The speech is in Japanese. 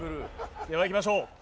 では、いきましょう。